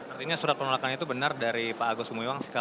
artinya surat penolakan itu benar dari pak agus umiwang